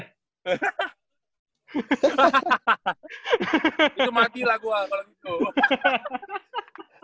itu mati lah gua kalo gitu